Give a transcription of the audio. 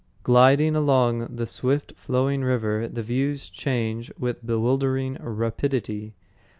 Gliding along the swift flowing river, the views change with bewildering rapidity.